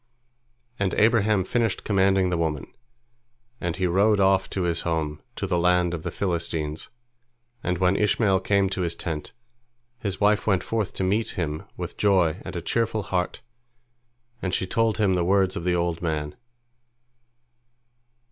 And Abraham finished commanding the woman, and he rode off to his home, to the land of the Philistines, and when Ishmael came to his tent, his wife went forth to meet him with joy and a cheerful heart, and she told him the words of the old man.